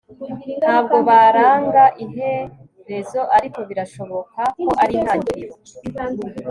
ntabwo baranga iherezo ariko birashoboka ko ari intangiriro